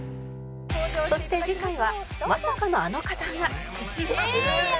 そして次回はまさかのあの方が